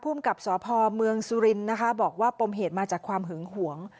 ผู้อำกับสอบพอมเมืองสุรินบอกว่าปมเหตุมาจากความหึงห่วง